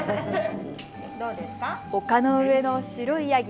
丘の上の白いヤギ。